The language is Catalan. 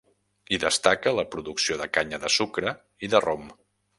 Hi destaca la producció de canya de sucre i de rom.